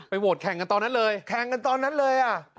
โหวตแข่งกันตอนนั้นเลยแข่งกันตอนนั้นเลย